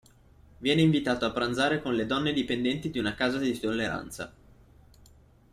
Viene invitato a pranzare con le donne dipendenti di una casa di tolleranza.